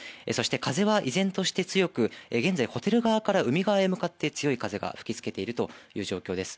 風は依然として強く、現在ホテル側から海側へ向かって強い風が吹きつけているという状況です。